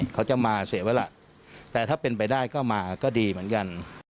เขาจะมาเสียเวลาแต่ถ้าเป็นไปได้ก็มาก็ดีเหมือนกัน